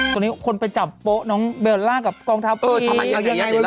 คนนี้คนไปจับโป๊ะน้องเบลล่ากับกองทัพ